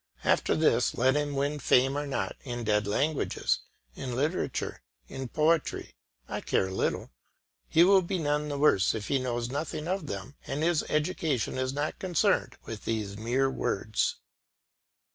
After this let him win fame or not in dead languages, in literature, in poetry, I care little. He will be none the worse if he knows nothing of them, and his education is not concerned with these mere words.